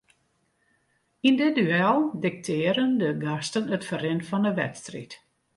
Yn dit duel diktearren de gasten it ferrin fan 'e wedstriid.